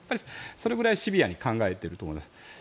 それぐらいシビアに考えていると思います。